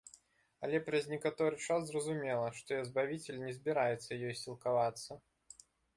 Але праз некаторы час зразумела, што збавіцель не збіраецца ёй сілкавацца.